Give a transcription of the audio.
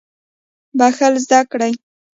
بخښل زده کړئ